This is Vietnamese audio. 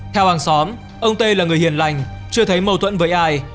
theo hàng xóm ông tê là người hiền lành chưa thấy mâu thuẫn với ai